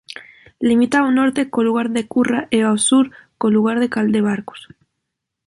Limita ao norte co lugar da Curra e ao sur co lugar de Caldebarcos.